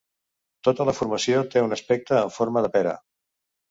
Tota la formació té un aspecte en forma de pera.